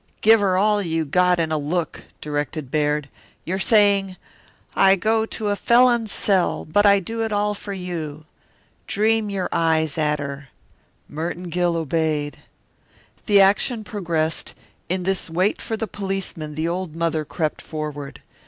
"Give her all you got in a look," directed Baird. "You're saying: 'I go to a felon's cell, but I do it all for you.' Dream your eyes at her." Merton Gill obeyed. The action progressed. In this wait for the policeman the old mother crept forward.